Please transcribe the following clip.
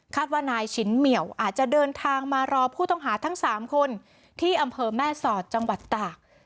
ว่านายฉินเหมียวอาจจะเดินทางมารอผู้ต้องหาทั้ง๓คนที่อำเภอแม่สอดจังหวัดตาก